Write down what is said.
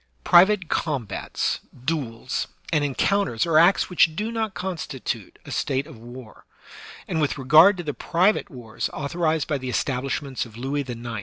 Private combats, duels, and encounters are acts which do not constitute a state of war; and with regard to the private wars authorized by the Establishments of Louis IX.